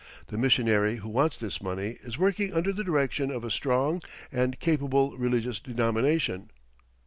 The missionary who wants this money is working under the direction of a strong and capable religious denomination.